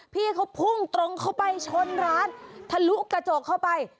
พี่เขาพุ่งตรงเข้าไปชนร้านทะลุกระจกเข้าไป